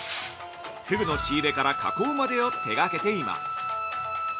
ふぐの仕入れから加工までを手がけています。